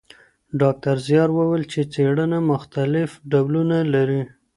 ډاکټر زیار ویل چي څېړنه مختلف ډولونه لري.